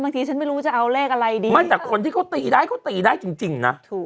บางทีฉันไม่รู้จะเอาแรกอะไรดีแต่คนที่เขาตีได้เขาตีได้จริงนะ